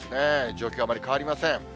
状況あまり変わりません。